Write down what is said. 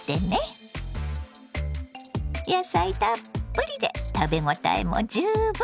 野菜たっぷりで食べ応えも十分。